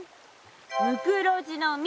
ムクロジの実。